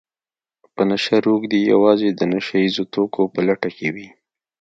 په نشه روږدي يوازې د نشه يیزو توکو په لټه کې وي